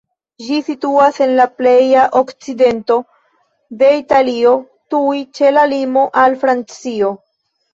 Ĝi situas en la pleja okcidento de Italio, tuj ĉe la limo al Francio.